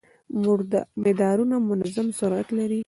مدارونه منظم سرعت لري.